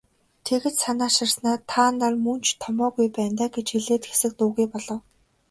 Тэгж санааширснаа "Та нар мөн ч томоогүй байна даа" гэж хэлээд хэсэг дуугүй болов.